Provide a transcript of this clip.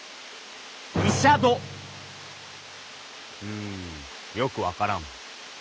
うんよく分からん。